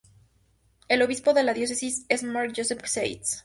El obispo de la Diócesis es Mark Joseph Seitz.